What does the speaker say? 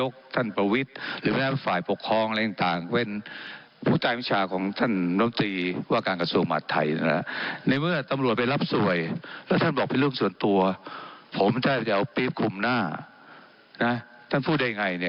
คุณธรรมอะไรต่างทั้งหมด